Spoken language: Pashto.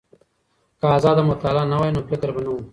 که ازاده مطالعه نه وای نو فکر به نه و.